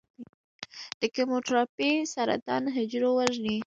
د کیموتراپي سرطان حجرو وژني.